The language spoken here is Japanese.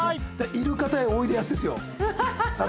イルカ対おいでやすですよさあ